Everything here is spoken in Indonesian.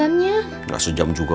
emak eras itu udah lama banget